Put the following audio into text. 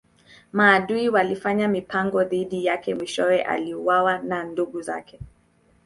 Maadui walifanya mipango dhidi yake mwishowe aliuawa na ndugu zake.